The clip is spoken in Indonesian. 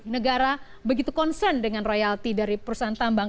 negara begitu concern dengan royalti dari perusahaan tambang